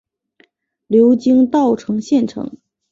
流经稻城县城。